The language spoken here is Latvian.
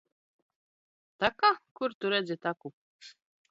Taka? Kur Tu redzi taku?